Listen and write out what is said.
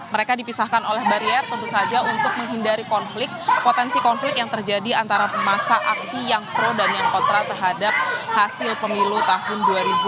mereka dipisahkan oleh barier tentu saja untuk menghindari konflik potensi konflik yang terjadi antara masa aksi yang pro dan yang kontra terhadap hasil pemilu tahun dua ribu dua puluh